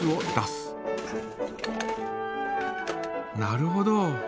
なるほど。